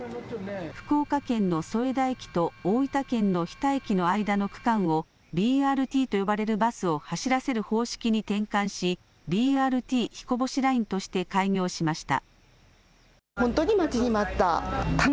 福岡県の添田駅と大分県の日田駅の間の区間をＢＲＴと呼ばれるバスを走らせる方式に転換しＢＲＴひこぼしラインとして開業しました。